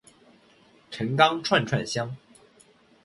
陈钢串串香